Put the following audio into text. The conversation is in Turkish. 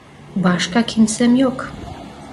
Başka kimsem yok.